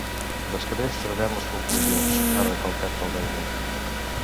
“Després traurem les conclusions”, ha recalcat el belga.